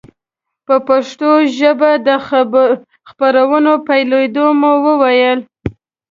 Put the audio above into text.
په پښتو ژبه د خپرونو پیلېدو مو وویل.